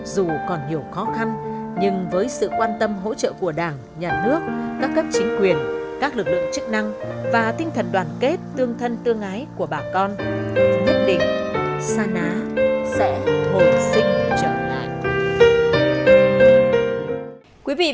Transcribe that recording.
dù còn nhiều khó khăn nhưng với sự quan tâm hỗ trợ của đảng nhà nước các cấp chính quyền các lực lượng chức năng và tinh thần đoàn kết tương thân tương ái của bà con nhất định sa ná sẽ hồi sinh trở lại